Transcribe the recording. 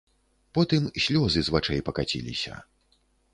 Потым слёзы з вачэй пакаціліся.